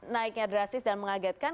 naiknya drastis dan mengagetkan